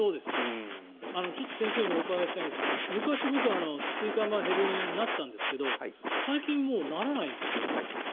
先生にお伺いしたいんですが僕、昔椎間板ヘルニアになったんですが最近ならないんですよ。